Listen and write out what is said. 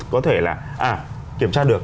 có thể là à kiểm tra được